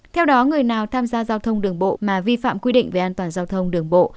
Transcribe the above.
theo đó người nào tham gia giao thông đường bộ mà vi phạm quy định về an toàn giao thông đường bộ